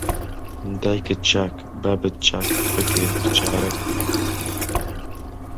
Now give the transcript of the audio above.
دایکت چاک، بابت چاک، فکرێک، چارەیەک